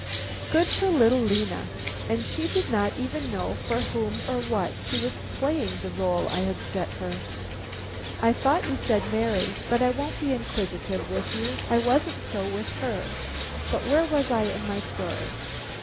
Good for little Lena! And she did not even know for whom or what she was playing the rôle I had set her. "I thought you said Mary. But I won't be inquisitive with you. I wasn't so with her. But where was I in my story?